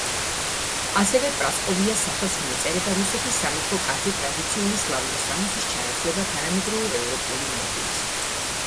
ასევე პრასკოვიას სახელს მიეწერება რუსეთის სამეფო კარზე ტრადიციული სლავური სამოსის ჩანაცვლება თანამედროვე ევროპული მოდით.